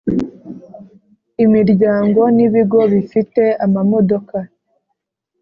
imiryango n ibigo bifite amamodoka